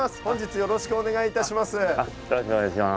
よろしくお願いします。